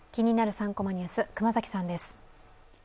３コマニュース」、熊崎さんです。